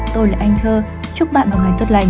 tôi là anh thơ chúc bạn một ngày tốt lành